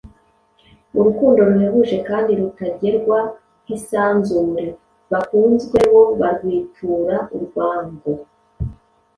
Urukundo ruhebuje kandi rutagerwa nk’isanzure bakunzwe bo barwitura urwango.